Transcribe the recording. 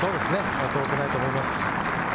遠くないと思います。